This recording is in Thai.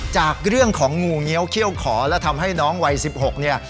จากเรื่องของงูเงี้ยวเขี้ยวขอและทำให้น้องวัย๑๖เนี่ย